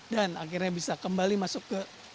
dan akhirnya bisa kembali masuk ke sungai citarum